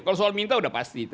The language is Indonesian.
kalau soal minta udah pasti